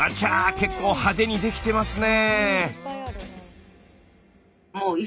結構派手にできてますね。